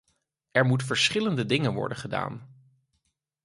Er moeten verschillende dingen worden gedaan.